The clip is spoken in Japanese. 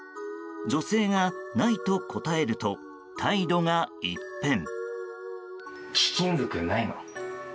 女性が、ないと答えると態度が一変。